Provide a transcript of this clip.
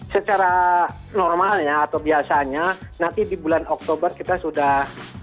secara normalnya atau biasanya nanti di bulan oktober kita sudah